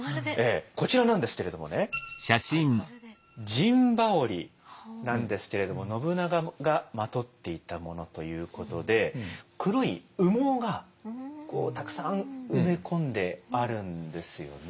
陣羽織なんですけれども信長がまとっていたものということで黒い羽毛がたくさん埋め込んであるんですよね。